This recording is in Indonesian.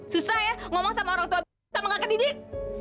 susah ya ngomong sama orang tua sama kakak didik